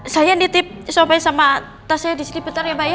saya nitip sope sama tasnya disini bentar ya mbak ya